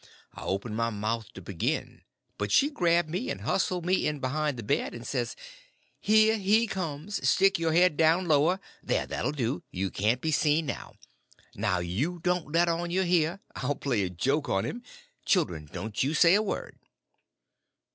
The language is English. I opened my mouth to begin; but she grabbed me and hustled me in behind the bed, and says: "Here he comes! Stick your head down lower—there, that'll do; you can't be seen now. Don't you let on you're here. I'll play a joke on him. Children, don't you say a word."